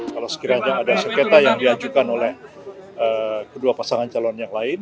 kalau sekiranya ada sengketa yang diajukan oleh kedua pasangan calon yang lain